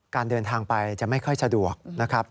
การเดินทางไปจะไม่ค่อยสะดวกนะครับ